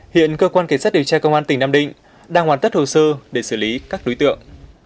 hiện cơ quan cảnh sát điều tra công an tỉnh nam định đang hoàn tất hồ sơ để xử lý các đối tượng